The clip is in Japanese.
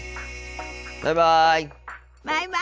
バイバイ。